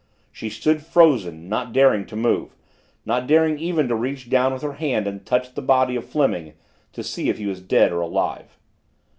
She stood frozen, not daring to move, not daring even to reach down with her hand and touch the body of Fleming to see if he was dead or alive.